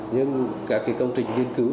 nhưng các cái công trình nghiên cứu